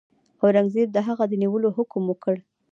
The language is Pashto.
اورنګزېب د هغه د نیولو حکم وکړ.